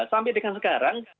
sampai dengan sekarang